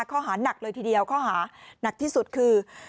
ข้อหานักเลยทีเดียวข้อหานักที่สุดคือ